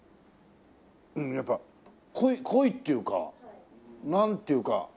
うんやっぱ濃いっていうかなんていうか。